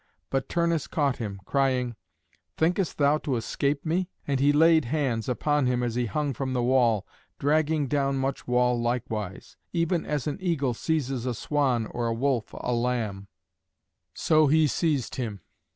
But Turnus caught him, crying, "Thinkest thou to escape me?" and he laid hands upon him as he hung from the wall, dragging down much wall likewise: even as an eagle seizes a swan or a wolf a lamb, so he seized him.